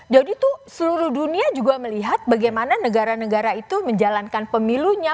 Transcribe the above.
jadi tuh seluruh dunia juga melihat bagaimana negara negara itu menjalankan pemilunya